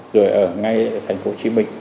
rồi ở ngay thành phố hồ chí minh